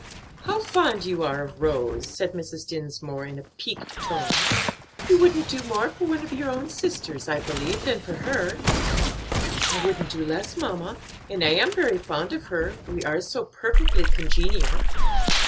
"How fond you are of Rose," said Mrs. Dinsmore in a piqued tone; "you wouldn't do more for one of your own sisters, I believe, than for her." "I wouldn't do less, mamma, and I am very fond of her; we are so perfectly congenial."